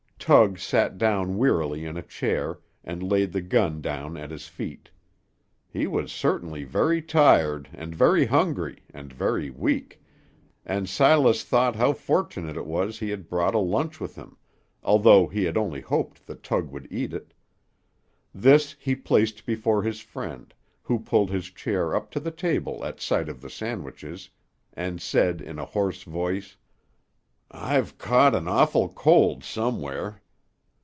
Tug sat down wearily in a chair, and laid the gun down at his feet. He was certainly very tired, and very hungry, and very weak, and Silas thought how fortunate it was he had brought a lunch with him, although he had only hoped that Tug would eat it. This he placed before his friend, who pulled his chair up to the table at sight of the sandwiches, and said in a hoarse voice, "I've caught an awful cold somewhere.